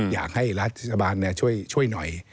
อยากให้รัฐบาลช่วยหน่อย